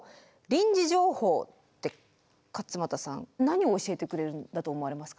臨時情報って勝俣さん何を教えてくれるんだと思われますか？